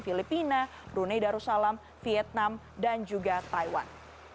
filipina brunei darussalam vietnam dan juga taiwan